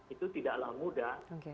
itu tidaklah mudah